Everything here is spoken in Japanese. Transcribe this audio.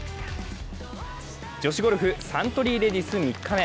女子ゴルフ、サントリーレディス３日目。